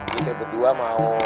kita berdua mau